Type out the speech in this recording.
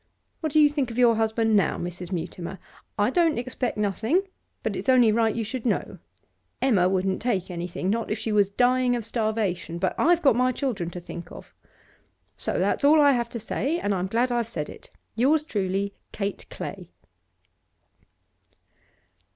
What do you think of your husband now, Mrs. Mutimer? I don't expect nothing, but it's only right you should know. Emma wouldn't take anything, not if she was dying of starvation, but I've got my children to think of. So that's all I have to say, and I'm glad I've said it. Yours truly, KATE CLAY.